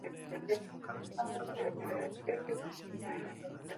Izan ere, datozen orduotan erabakiko dute norentzat izango den saria.